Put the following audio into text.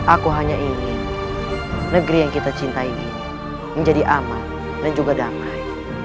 aku hanya ingin negeri yang kita cintai ini menjadi aman dan juga damai